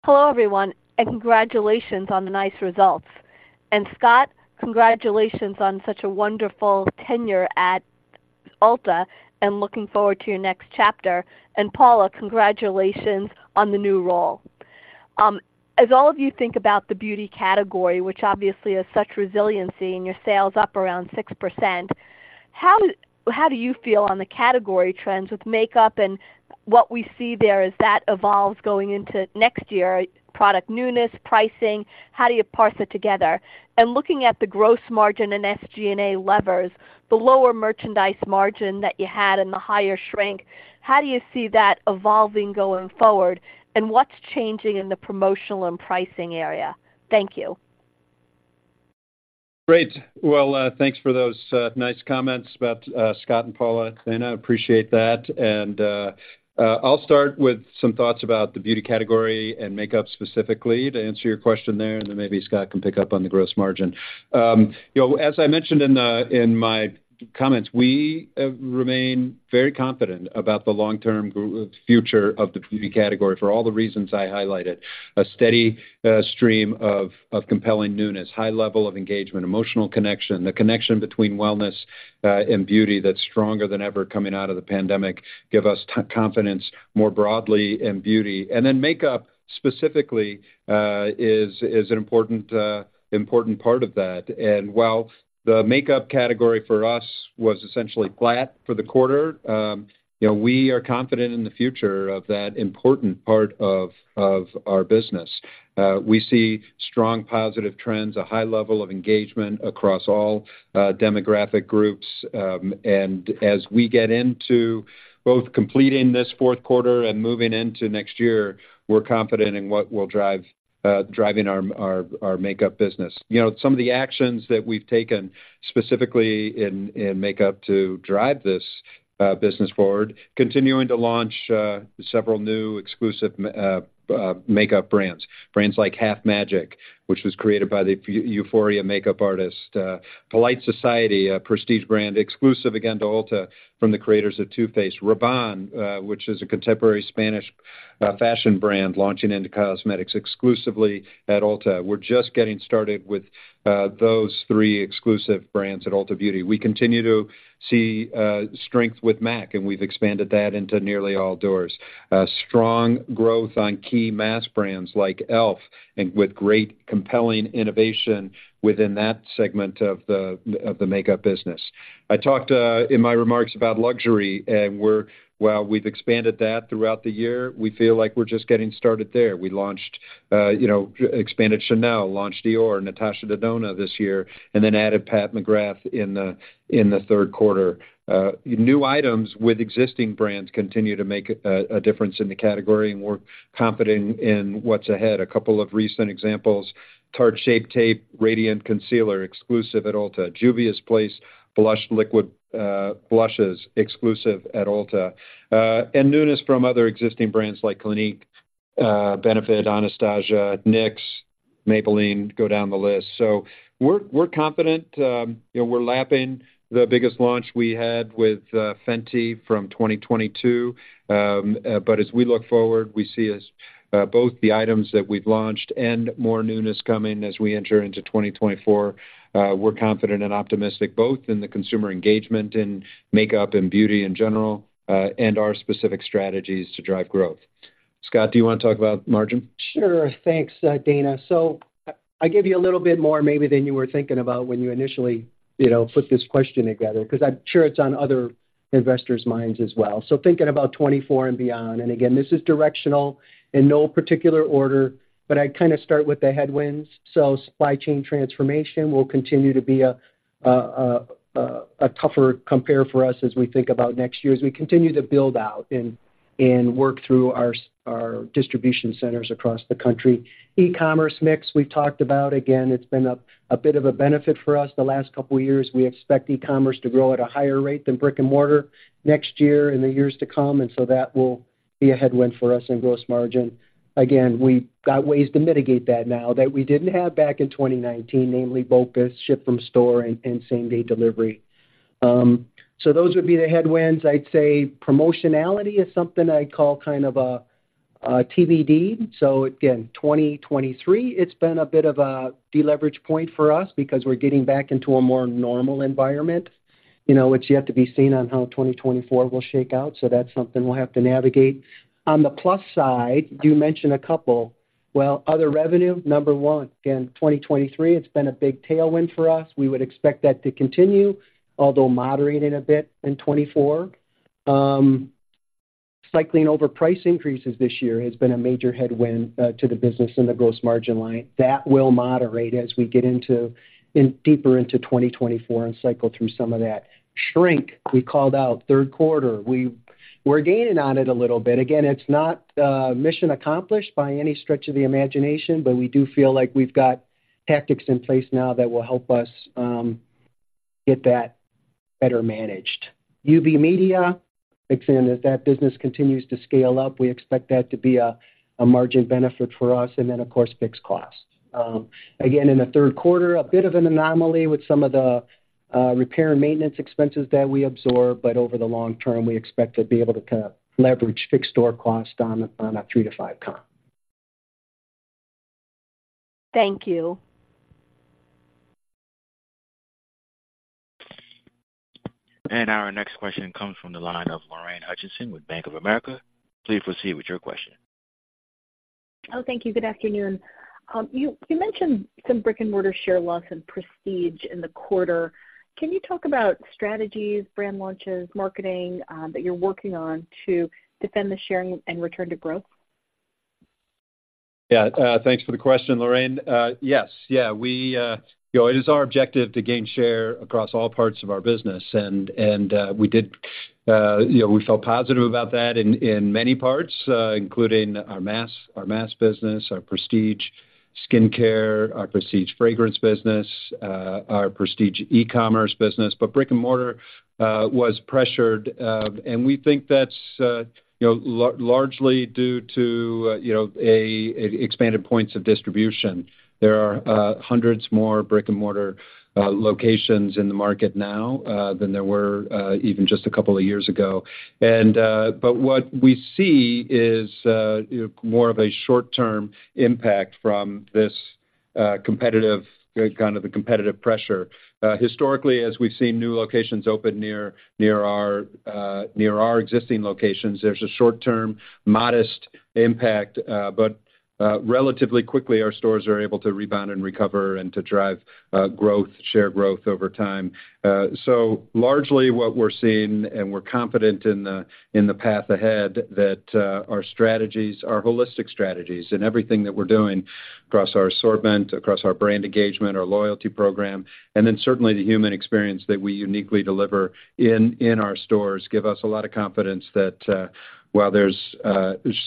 Hello, everyone, and congratulations on the nice results. And Scott, congratulations on such a wonderful tenure at Ulta, and looking forward to your next chapter. And, Paula, congratulations on the new role. As all of you think about the beauty category, which obviously is such resiliency in your sales, up around 6%, how do, how do you feel on the category trends with makeup and what we see there as that evolves going into next year, product newness, pricing, how do you parse it together? And looking at the gross margin and SG&A levers, the lower merchandise margin that you had and the higher shrink, how do you see that evolving going forward? And what's changing in the promotional and pricing area? Thank you. Great. Well, thanks for those nice comments about Scott and Paula, Dana. I appreciate that. And I'll start with some thoughts about the beauty category and makeup specifically, to answer your question there, and then maybe Scott can pick up on the gross margin. You know, as I mentioned in my comments, we remain very confident about the long-term future of the beauty category for all the reasons I highlighted. A steady stream of compelling newness, high level of engagement, emotional connection, the connection between wellness and beauty that's stronger than ever coming out of the pandemic, give us confidence more broadly in beauty. And then makeup, specifically, is an important part of that. While the makeup category for us was essentially flat for the quarter, you know, we are confident in the future of that important part of our business. We see strong positive trends, a high level of engagement across all demographic groups, and as we get into both completing this fourth quarter and moving into next year, we're confident in what will drive our makeup business. You know, some of the actions that we've taken, specifically in makeup to drive this business forward, continuing to launch several new exclusive makeup brands. Brands like Half Magic, which was created by the Euphoria makeup artist, Polite Society, a prestige brand, exclusive again to Ulta from the creators of Too Faced. Rabanne, which is a contemporary Spanish fashion brand launching into cosmetics exclusively at Ulta. We're just getting started with those three exclusive brands at Ulta Beauty. We continue to see strength with MAC, and we've expanded that into nearly all doors. Strong growth on key mass brands like e.l.f., and with great, compelling innovation within that segment of the makeup business. I talked in my remarks about luxury, and while we've expanded that throughout the year, we feel like we're just getting started there. We launched, you know, expanded Chanel, launched Dior, Natasha Denona this year, and then added Pat McGrath in the third quarter. New items with existing brands continue to make a difference in the category, and we're confident in what's ahead. A couple of recent examples, Tarte Shape Tape Radiant Concealer, exclusive at Ulta. Juvia's Place Blush Liquid Blushes, exclusive at Ulta. And newness from other existing brands like Clinique, Benefit, Anastasia, NYX, Maybelline, go down the list. So we're, we're confident, you know, we're lapping the biggest launch we had with Fenty from 2022. But as we look forward, we see as both the items that we've launched and more newness coming as we enter into 2024, we're confident and optimistic both in the consumer engagement in makeup and beauty in general, and our specific strategies to drive growth. Scott, do you want to talk about margin? Sure. Thanks, Dana. So I gave you a little bit more maybe than you were thinking about when you initially, you know, put this question together, because I'm sure it's on other investors' minds as well. So thinking about 2024 and beyond, and again, this is directional in no particular order, but I kind of start with the headwinds. So supply chain transformation will continue to be a tougher compare for us as we think about next year, as we continue to build out and work through our distribution centers across the country. E-commerce mix, we've talked about. Again, it's been a bit of a benefit for us the last couple of years. We expect e-commerce to grow at a higher rate than brick-and-mortar next year and the years to come, and so that will be a headwind for us in gross margin. Again, we've got ways to mitigate that now that we didn't have back in 2019, namely, BOPUS, ship from store and same-day delivery. So those would be the headwinds. I'd say promotionality is something I'd call kind of a TBD. So again, 2023, it's been a bit of a deleverage point for us because we're getting back into a more normal environment, you know, which you have to be seen on how 2024 will shake out. So that's something we'll have to navigate. On the plus side, you mentioned a couple. Well, other revenue, number one, again, 2023, it's been a big tailwind for us. We would expect that to continue, although moderating a bit in 2024. Cycling over price increases this year has been a major headwind to the business and the gross margin line. That will moderate as we get deeper into 2024 and cycle through some of that. Shrink, we called out third quarter. We're gaining on it a little bit. Again, it's not mission accomplished by any stretch of the imagination, but we do feel like we've got tactics in place now that will help us get that better managed. UB Media, again, as that business continues to scale up, we expect that to be a margin benefit for us, and then, of course, fixed costs. Again, in the third quarter, a bit of an anomaly with some of the repair and maintenance expenses that we absorb, but over the long term, we expect to be able to kind of leverage fixed store costs on a 3-5 comp. Thank you. Our next question comes from the line of Lorraine Hutchinson with Bank of America. Please proceed with your question. Oh, thank you. Good afternoon. You mentioned some brick-and-mortar share loss and prestige in the quarter. Can you talk about strategies, brand launches, marketing, that you're working on to defend the sharing and return to growth? Yeah, thanks for the question, Lorraine. Yes, yeah, we, you know, it is our objective to gain share across all parts of our business, and, and, we did, you know, we felt positive about that in, in many parts, including our mass, our mass business, our prestige, skincare, our prestige fragrance business, our prestige e-commerce business. But brick-and-mortar was pressured, and we think that's, you know, largely due to, you know, an expanded points of distribution. There are hundreds more brick-and-mortar locations in the market now than there were even just a couple of years ago. And, but what we see is more of a short-term impact from this competitive, kind of the competitive pressure. Historically, as we've seen new locations open near our existing locations, there's a short-term, modest impact, but relatively quickly, our stores are able to rebound and recover and to drive growth, share growth over time. So largely what we're seeing, and we're confident in the path ahead, that our strategies, our holistic strategies and everything that we're doing across our assortment, across our brand engagement, our loyalty program, and then certainly the human experience that we uniquely deliver in our stores, give us a lot of confidence that while there's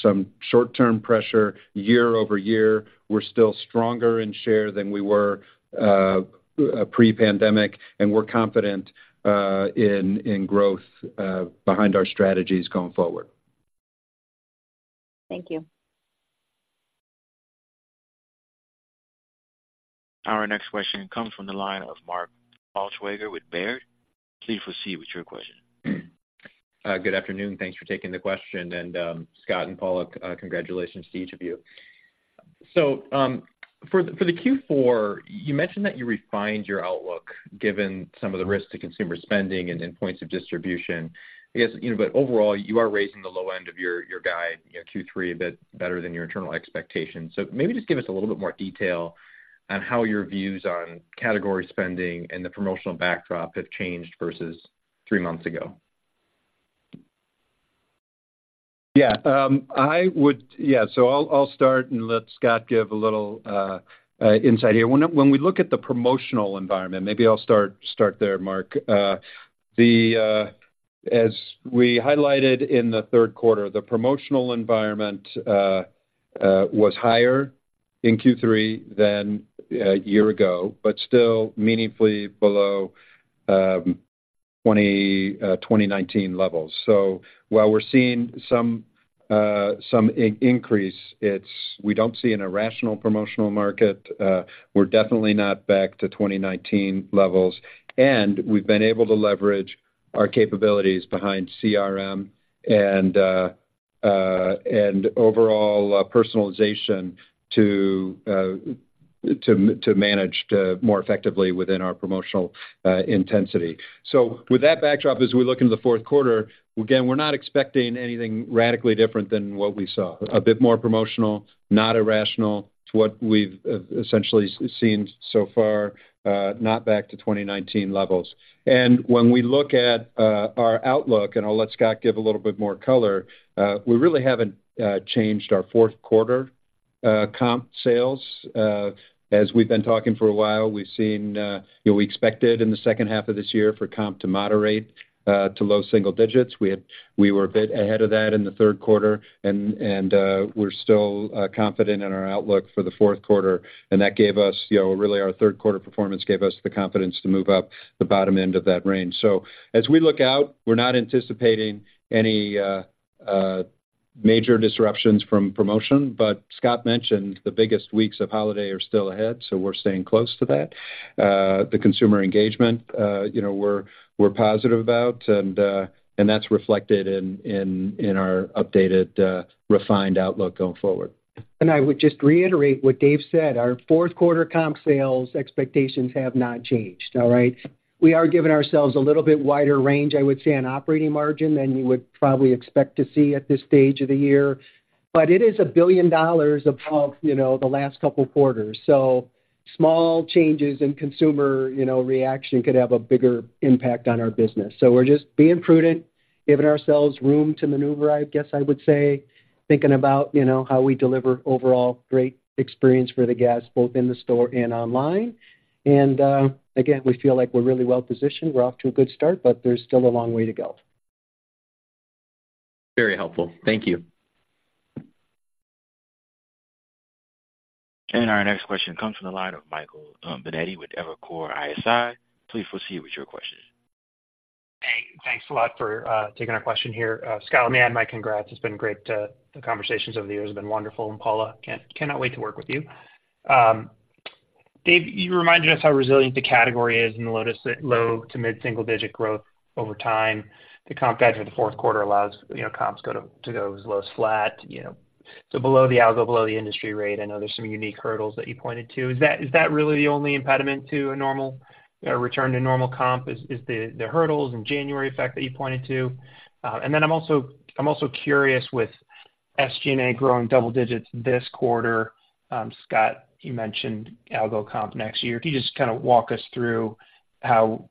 some short-term pressure year-over-year, we're still stronger in share than we were pre-pandemic, and we're confident in growth behind our strategies going forward. Thank you. Our next question comes from the line of Mark Altschwager with Baird. Please proceed with your question. Good afternoon. Thanks for taking the question, and, Scott and Paula, congratulations to each of you. So, for the Q4, you mentioned that you refined your outlook given some of the risks to consumer spending and then points of distribution. I guess, you know, but overall, you are raising the low end of your guide, you know, Q3, a bit better than your internal expectations. So maybe just give us a little bit more detail on how your views on category spending and the promotional backdrop have changed versus three months ago. Yeah, I would. Yeah, so I'll, I'll start and let Scott give a little insight here. When we look at the promotional environment, maybe I'll start there, Mark. As we highlighted in the third quarter, the promotional environment was higher in Q3 than a year ago, but still meaningfully below 2019 levels. So while we're seeing some increase, it's we don't see an irrational promotional market. We're definitely not back to 2019 levels, and we've been able to leverage our capabilities behind CRM and overall personalization to manage more effectively within our promotional intensity. So with that backdrop, as we look into the fourth quarter, again, we're not expecting anything radically different than what we saw. A bit more promotional, not irrational to what we've essentially seen so far, not back to 2019 levels. And when we look at our outlook, and I'll let Scott give a little bit more color, we really haven't changed our fourth quarter comp sales. As we've been talking for a while, we've seen, we expected in the second half of this year for comp to moderate to low single digits. We were a bit ahead of that in the third quarter, and we're still confident in our outlook for the fourth quarter, and that gave us, you know, really our third quarter performance gave us the confidence to move up the bottom end of that range. As we look out, we're not anticipating any major disruptions from promotion, but Scott mentioned the biggest weeks of holiday are still ahead, so we're staying close to that. The consumer engagement, you know, we're positive about, and that's reflected in our updated refined outlook going forward. I would just reiterate what Dave said. Our fourth quarter comp sales expectations have not changed, all right? We are giving ourselves a little bit wider range, I would say, on operating margin, than you would probably expect to see at this stage of the year, but it is $1 billion above, you know, the last couple quarters. So small changes in consumer, you know, reaction could have a bigger impact on our business. So we're just being prudent, giving ourselves room to maneuver, I guess I would say, thinking about, you know, how we deliver overall great experience for the guests, both in the store and online. And, again, we feel like we're really well positioned. We're off to a good start, but there's still a long way to go. Very helpful. Thank you. Our next question comes from the line of Michael Binetti with Evercore ISI. Please proceed with your question. Hey, thanks a lot for taking our question here. Scott, may I add my congrats. It's been great. The conversations over the years have been wonderful, and Paula, cannot wait to work with you. Dave, you reminded us how resilient the category is in the low- to mid-single digit growth over time. The comp guide for the fourth quarter allows, you know, comps to go as low as flat, you know, so below the algo, below the industry rate. I know there's some unique hurdles that you pointed to. Is that really the only impediment to a normal return to normal comp? Is the hurdles and January effect that you pointed to? And then I'm also curious, with SG&A growing double digits this quarter, Scott, you mentioned algo comp next year. Can you just kind of walk us through how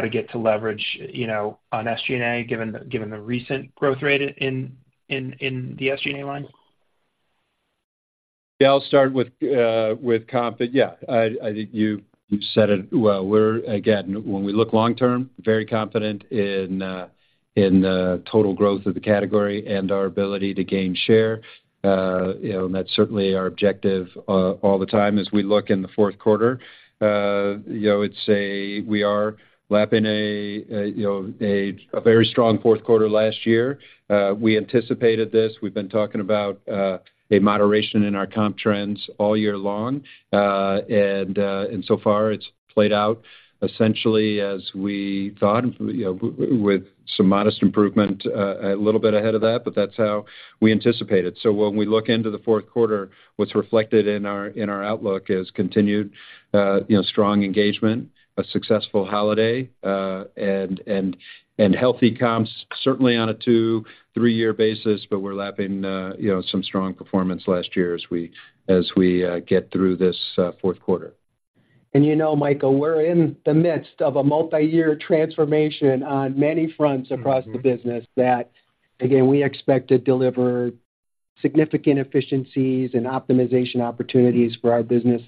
to get to leverage, you know, on SG&A, given the recent growth rate in the SG&A line? Yeah, I'll start with, with comp. But, yeah, I think you said it well. We're, again, when we look long term, very confident in, in, total growth of the category and our ability to gain share. You know, and that's certainly our objective, all the time as we look in the fourth quarter. You know, I would say we are lapping a, a you know, a very strong fourth quarter last year. We anticipated this. We've been talking about, a moderation in our comp trends all year long. And, and so far, it's played out essentially as we thought, you know, with some modest improvement, a little bit ahead of that, but that's how we anticipated. When we look into the fourth quarter, what's reflected in our outlook is continued, you know, strong engagement, a successful holiday, and healthy comps, certainly on a 2-3-year basis, but we're lapping, you know, some strong performance last year as we get through this fourth quarter. You know, Michael, we're in the midst of a multi-year transformation on many fronts across the business that, again, we expect to deliver significant efficiencies and optimization opportunities for our business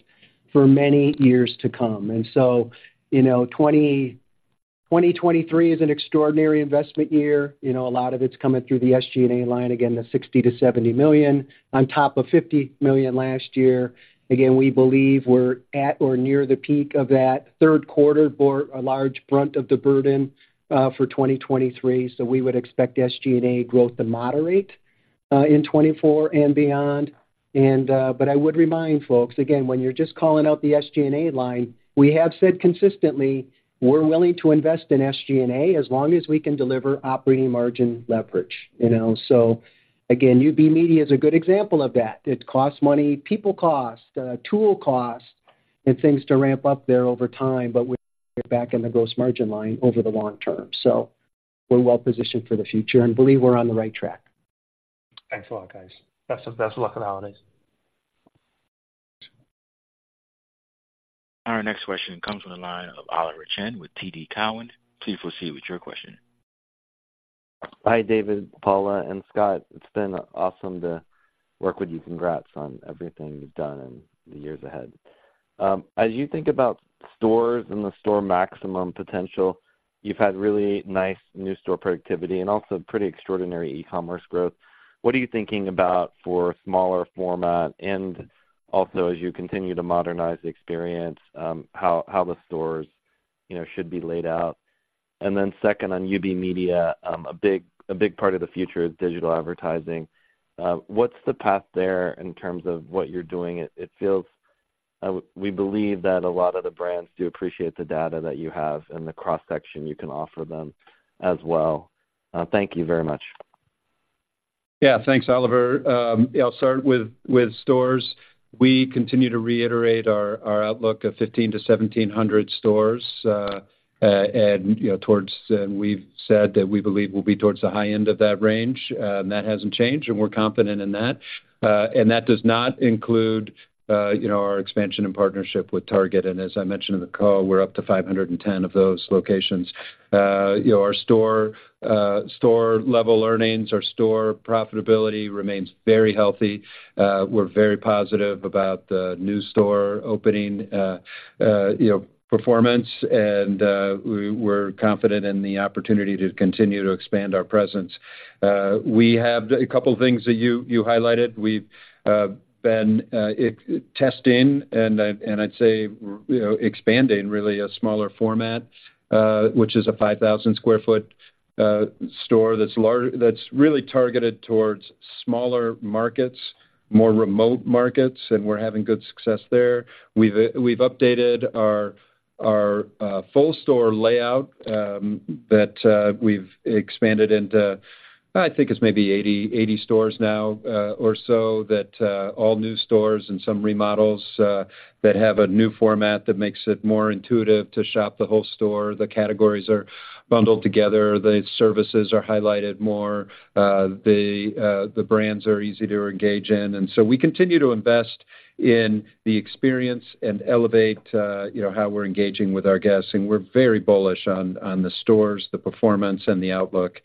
for many years to come. So, you know, 2023 is an extraordinary investment year. You know, a lot of it's coming through the SG&A line, again, the $60 million-$70 million, on top of $50 million last year. Again, we believe we're at or near the peak of that third quarter, bore a large brunt of the burden, for 2023. So, we would expect SG&A growth to moderate, in 2024 and beyond. But I would remind folks, again, when you're just calling out the SG&A line, we have said consistently, we're willing to invest in SG&A as long as we can deliver operating margin leverage, you know? So again, UB Media is a good example of that. It costs money, people cost, tool cost, and things to ramp up there over time, but we're back in the gross margin line over the long term. So we're well positioned for the future and believe we're on the right track. Thanks a lot, guys. Best of luck on holidays. Our next question comes from the line of Oliver Chen with TD Cowen. Please proceed with your question. Hi, Dave, Paula, and Scott. It's been awesome to work with you. Congrats on everything you've done and the years ahead. As you think about stores and the store maximum potential, you've had really nice new store productivity and also pretty extraordinary e-commerce growth. What are you thinking about for smaller format and also, as you continue to modernize the experience, how the stores, you know, should be laid out? Then second, on UB Media, a big, a big part of the future is digital advertising. What's the path there in terms of what you're doing? It feels, we believe that a lot of the brands do appreciate the data that you have and the cross-section you can offer them as well. Thank you very much. Yeah, thanks, Oliver. I'll start with stores. We continue to reiterate our outlook of 1,500-1,700 stores, and, you know, towards, and we've said that we believe will be towards the high end of that range. That hasn't changed, and we're confident in that. And that does not include, you know, our expansion and partnership with Target. And as I mentioned in the call, we're up to 510 of those locations. You know, our store-level earnings, our store profitability remains very healthy. We're very positive about the new store opening, you know, performance, and we're confident in the opportunity to continue to expand our presence. We have a couple of things that you highlighted. We've been testing, and I'd say, you know, expanding really a smaller format, which is a 5,000 sq ft store that's largely targeted towards smaller markets, more remote markets, and we're having good success there. We've updated our full store layout that we've expanded into, I think it's maybe 80 stores now, or so, that all new stores and some remodels that have a new format that makes it more intuitive to shop the whole store. The categories are bundled together, the services are highlighted more, the brands are easy to engage in. And so we continue to invest in the experience and elevate, you know, how we're engaging with our guests, and we're very bullish on the stores, the performance, and the outlook.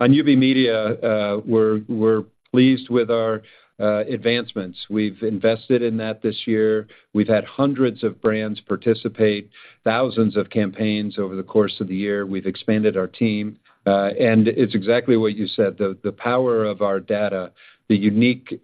On UB Media, we're pleased with our advancements. We've invested in that this year. We've had hundreds of brands participate, thousands of campaigns over the course of the year. We've expanded our team, and it's exactly what you said, the power of our data, the unique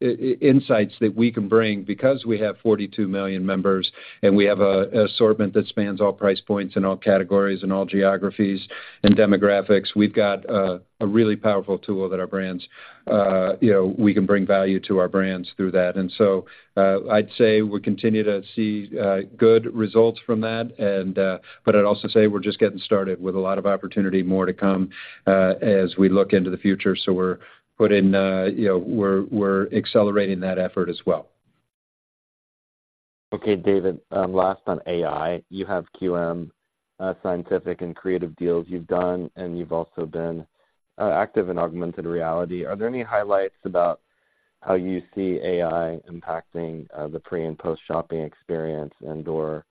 insights that we can bring, because we have 42 million members, and we have an assortment that spans all price points, and all categories, and all geographies and demographics. We've got a really powerful tool that our brands, you know, we can bring value to our brands through that. And so, I'd say we continue to see good results from that and... But I'd also say we're just getting started with a lot of opportunity, more to come, as we look into the future. So we're putting, you know, we're accelerating that effort as well. Okay, David, last on AI. You have QM scientific and creative deals you've done, and you've also been active in augmented reality. Are there any highlights about how you see AI impacting the pre- and post-shopping experience and/or,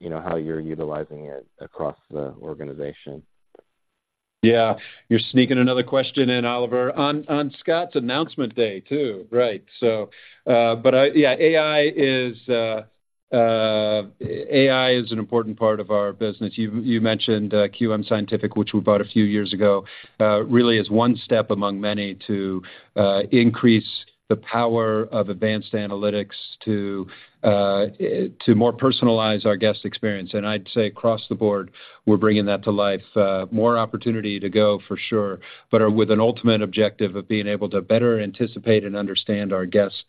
you know, how you're utilizing it across the organization? Yeah. You're sneaking another question in, Oliver, on Scott's announcement day, too. Right. So, but I yeah, AI is an important part of our business. You mentioned QM Scientific, which we bought a few years ago, really is one step among many to increase the power of advanced analytics to more personalize our guest experience. And I'd say across the board, we're bringing that to life, more opportunity to go for sure, but with an ultimate objective of being able to better anticipate and understand our guest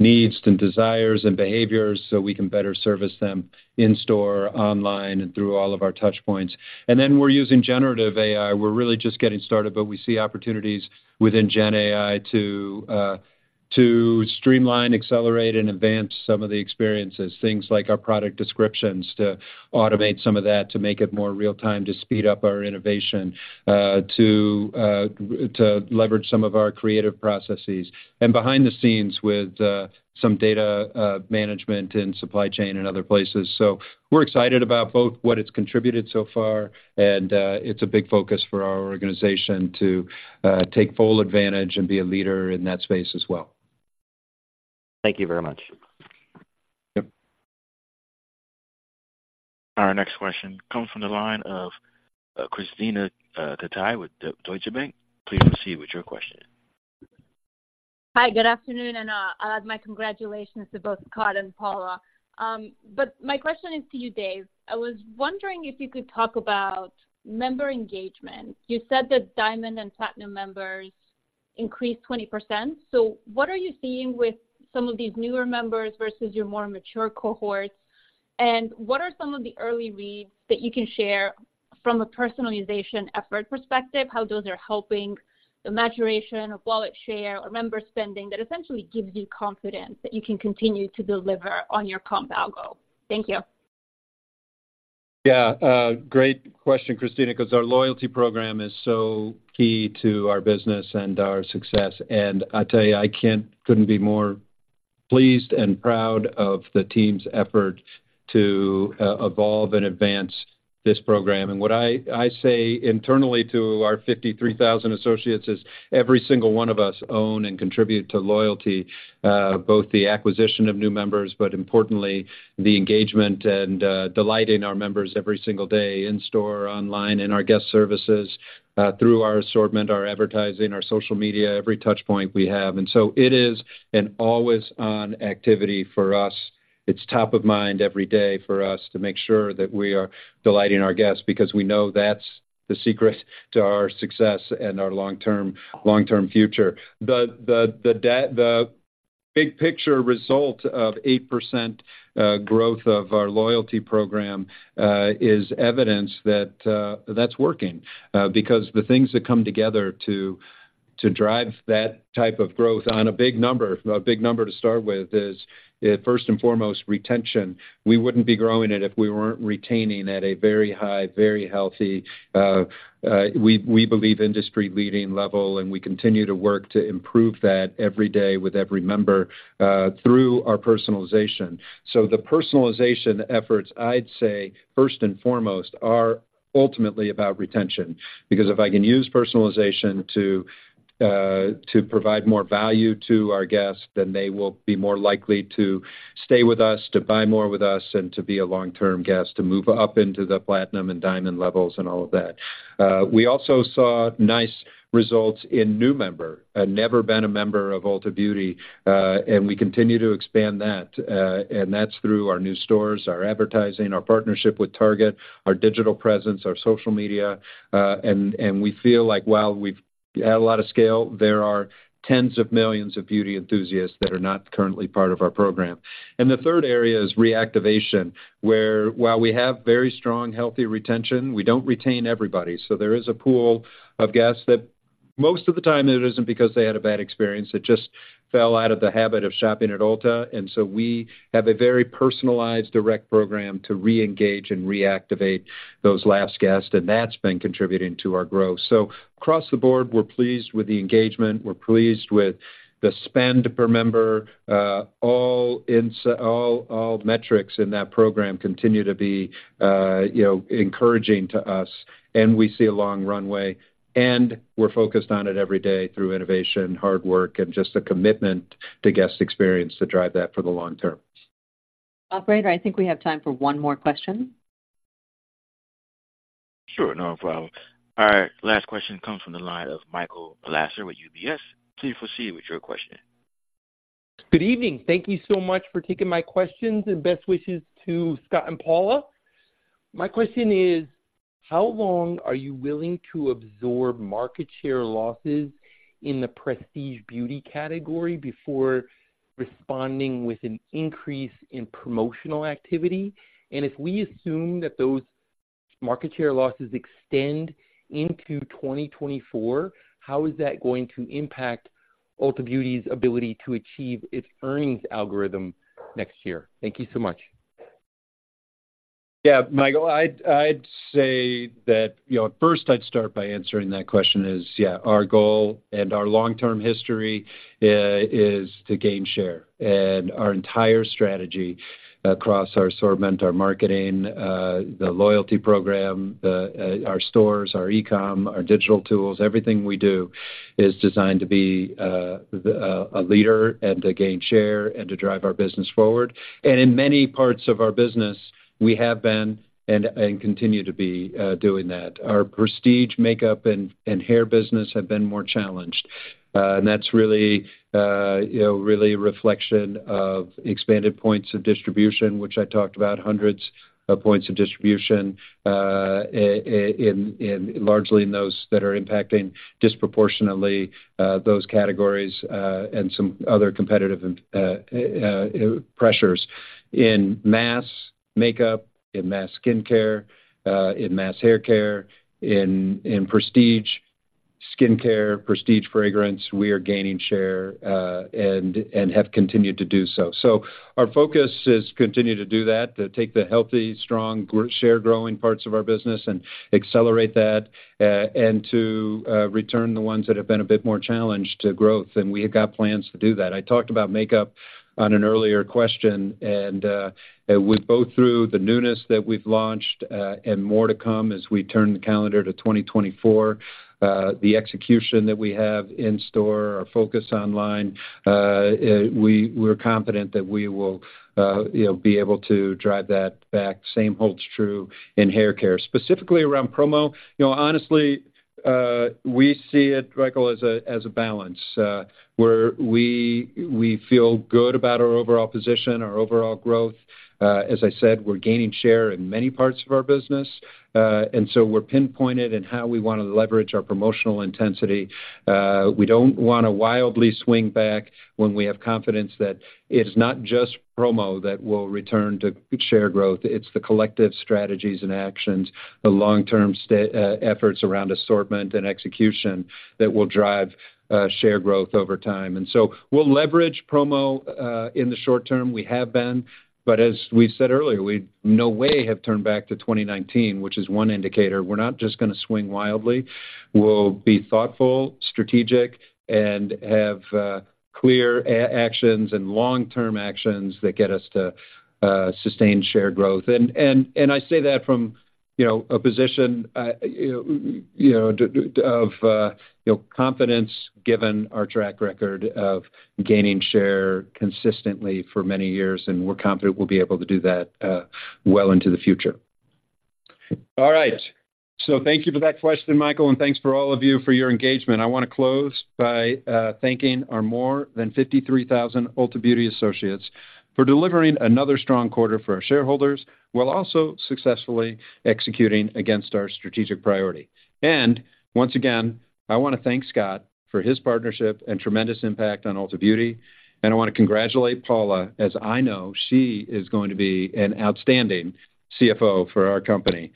needs, and desires, and behaviors, so we can better service them in store, online, and through all of our touch points. And then we're using generative AI. We're really just getting started, but we see opportunities within Gen AI to streamline, accelerate, and advance some of the experiences. Things like our product descriptions, to automate some of that, to make it more real-time, to speed up our innovation, to leverage some of our creative processes, and behind the scenes with some data management and supply chain and other places. So we're excited about both what it's contributed so far, and it's a big focus for our organization to take full advantage and be a leader in that space as well. Thank you very much. Yep. Our next question comes from the line of Krisztina Katai with Deutsche Bank. Please proceed with your question. Hi, good afternoon, and my congratulations to both Scott and Paula. But my question is to you, Dave. I was wondering if you could talk about member engagement. You said that Diamond and Platinum members increased 20%. So, what are you seeing with some of these newer members versus your more mature cohorts? And what are some of the early reads that you can share from a personalization effort perspective, how those are helping the maturation of wallet share or member spending, that essentially gives you confidence that you can continue to deliver on your comp algo? Thank you. Yeah, great question, Krisztina, because our loyalty program is so key to our business and our success. And I tell you, I couldn't be more pleased and proud of the team's effort to evolve and advance this program. And what I say internally to our 53,000 associates is: every single one of us own and contribute to loyalty, both the acquisition of new members, but importantly, the engagement and delighting our members every single day in store, online, in our guest services, through our assortment, our advertising, our social media, every touch point we have. And so it is an always-on activity for us. It's top of mind every day for us to make sure that we are delighting our guests, because we know that's the secret to our success and our long-term, long-term future. The Big picture result of 8% growth of our loyalty program is evidence that that's working. Because the things that come together to drive that type of growth on a big number, a big number to start with, is, first and foremost, retention. We wouldn't be growing it if we weren't retaining at a very high, very healthy, we believe, industry-leading level, and we continue to work to improve that every day with every member through our personalization. So the personalization efforts, I'd say, first and foremost, are ultimately about retention, because if I can use personalization to provide more value to our guests, then they will be more likely to stay with us, to buy more with us, and to be a long-term guest, to move up into the Platinum and Diamond levels and all of that. We also saw nice results in new member, never been a member of Ulta Beauty, and we continue to expand that, and that's through our new stores, our advertising, our partnership with Target, our digital presence, our social media, and, and we feel like while we've had a lot of scale, there are tens of millions of beauty enthusiasts that are not currently part of our program. And the third area is reactivation, where while we have very strong, healthy retention, we don't retain everybody, so there is a pool of guests that most of the time it isn't because they had a bad experience, it just fell out of the habit of shopping at Ulta. And so we have a very personalized direct program to reengage and reactivate those last guests, and that's been contributing to our growth. Across the board, we're pleased with the engagement, we're pleased with the spend per member. All metrics in that program continue to be, you know, encouraging to us, and we see a long runway, and we're focused on it every day through innovation, hard work, and just a commitment to guest experience to drive that for the long term. Operator, I think we have time for one more question. Sure, no problem. Our last question comes from the line of Michael Lasser with UBS. Please proceed with your question. Good evening. Thank you so much for taking my questions, and best wishes to Scott and Paula. My question is, how long are you willing to absorb market share losses in the prestige beauty category before responding with an increase in promotional activity? And if we assume that those market share losses extend into 2024, how is that going to impact Ulta Beauty's ability to achieve its earnings algorithm next year? Thank you so much. Yeah, Michael, I'd say that, you know, first I'd start by answering that question is, yeah, our goal and our long-term history is to gain share. And our entire strategy across our assortment, our marketing, the loyalty program, our stores, our e-com, our digital tools, everything we do is designed to be a leader and to gain share and to drive our business forward. And in many parts of our business, we have been and continue to be doing that. Our prestige makeup and hair business have been more challenged. And that's really, you know, really a reflection of expanded points of distribution, which I talked about, hundreds of points of distribution largely in those that are impacting disproportionately those categories, and some other competitive pressures. In mass makeup, in mass skincare, in mass haircare, in prestige skincare, prestige fragrance, we are gaining share, and have continued to do so. So our focus is continue to do that, to take the healthy, strong, share growing parts of our business and accelerate that, and to return the ones that have been a bit more challenged to growth. And we have got plans to do that. I talked about makeup on an earlier question, and with both through the newness that we've launched, and more to come as we turn the calendar to 2024, the execution that we have in store, our focus online, we're confident that we will, you know, be able to drive that back. Same holds true in haircare. Specifically around promo, you know, honestly, we see it, Michael, as a balance where we feel good about our overall position, our overall growth. As I said, we're gaining share in many parts of our business, and so we're pinpointed in how we want to leverage our promotional intensity. We don't want to wildly swing back when we have confidence that it's not just promo that will return to share growth, it's the collective strategies and actions, the long-term efforts around assortment and execution that will drive share growth over time. And so we'll leverage promo in the short term. We have been, but as we said earlier, we no way have turned back to 2019, which is one indicator. We're not just going to swing wildly. We'll be thoughtful, strategic, and have clear actions and long-term actions that get us to sustain share growth. And I say that from, you know, a position, you know, of confidence, given our track record of gaining share consistently for many years, and we're confident we'll be able to do that well into the future. All right. So thank you for that question, Michael, and thanks for all of you for your engagement. I want to close by thanking our more than 53,000 Ulta Beauty associates for delivering another strong quarter for our shareholders, while also successfully executing against our strategic priority. Once again, I want to thank Scott for his partnership and tremendous impact on Ulta Beauty, and I want to congratulate Paula, as I know she is going to be an outstanding CFO for our company.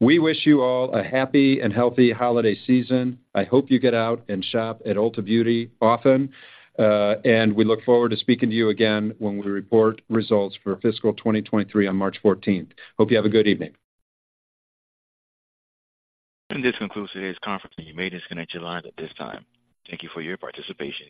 We wish you all a happy and healthy holiday season. I hope you get out and shop at Ulta Beauty often, and we look forward to speaking to you again when we report results for fiscal 2023 on March 14. Hope you have a good evening. This concludes today's conference. You may disconnect your line at this time. Thank you for your participation.